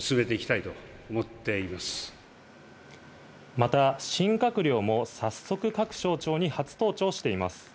また新閣僚も早速、各省庁に初登庁しています。